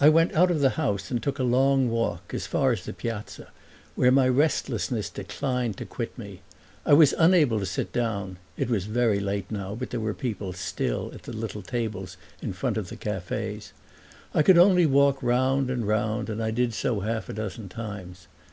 I went out of the house and took a long walk, as far as the Piazza, where my restlessness declined to quit me. I was unable to sit down (it was very late now but there were people still at the little tables in front of the cafes); I could only walk round and round, and I did so half a dozen times.